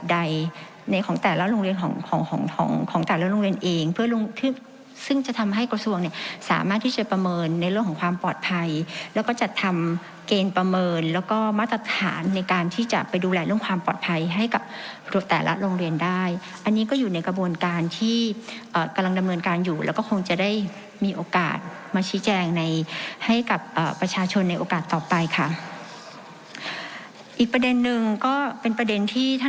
ที่จะประเมินในเรื่องของความปลอดภัยแล้วก็จะทำเกณฑ์ประเมินแล้วก็มาตรฐานในการที่จะไปดูแลเรื่องความปลอดภัยให้กับปลูกแต่ละโรงเรียนได้อันนี้ก็อยู่ในกระบวนการที่เอ่อกำลังดำเนินการอยู่แล้วก็คงจะได้มีโอกาสมาชี้แจงในให้กับเอ่อประชาชนในโอกาสต่อไปค่ะอีกประเด็นหนึ่งก็เป็นประเด็นที่ท่